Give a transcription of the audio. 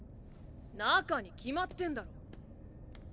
中に決まってんだろ。